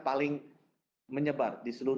paling menyebar di seluruh